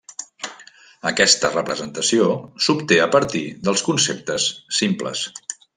Aquesta representació s'obté a partir dels conceptes simples.